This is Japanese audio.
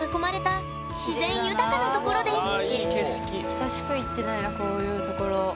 久しく行ってないなこういうところ。